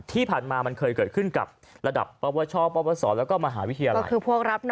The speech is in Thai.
ที่ผ่านมามันเคยเกิดขึ้นกับระดับปวชปศแล้วก็มหาวิทยาลัย